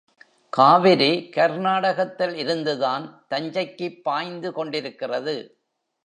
காவிரி கர்நாடகத்தில் இருந்துதான் தஞ்சைக்குப் பாய்ந்து கொண்டிருக்கிறது.